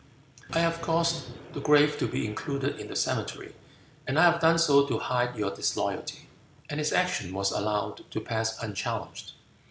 "I have caused the grave to be included in the cemetery, and I have done so to hide your disloyalty." And his action was allowed to pass unchallenged.